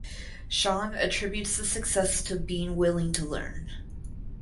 Shawn attributes the success to being willing to learn.